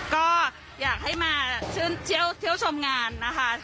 ก็อยากให้มาเที่ยวชมงานนะคะ